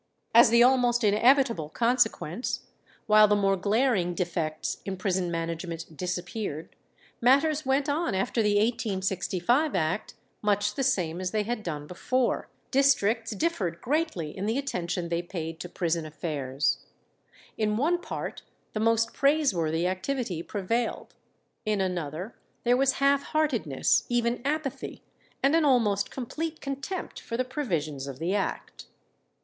As the almost inevitable consequence, while the more glaring defects in prison management disappeared, matters went on after the 1865 Act much the same as they had done before. Districts differed greatly in the attention they paid to prison affairs. In one part the most praiseworthy activity prevailed, in another there was half heartedness, even apathy and an almost complete contempt for the provisions of the act.